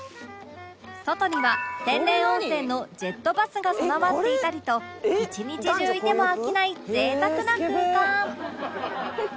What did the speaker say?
外には天然温泉のジェットバスが備わっていたりと一日中いても飽きない贅沢な空間